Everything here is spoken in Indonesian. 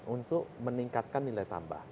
untuk meningkatkan nilai tambah